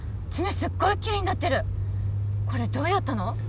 すっごいキレイになってるこれどうやったの？